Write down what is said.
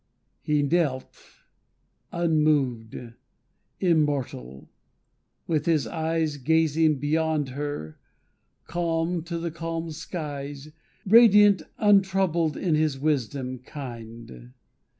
He knelt unmoved, immortal; with his eyes Gazing beyond her, calm to the calm skies; Radiant, untroubled in his wisdom, kind.